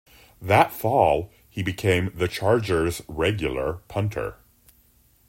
That fall, he became the Chargers' regular punter.